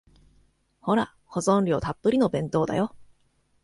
ほら、保存料たっぷりの弁当だよ。